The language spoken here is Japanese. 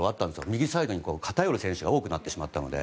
右サイドに偏る選手が多くなってしまったので。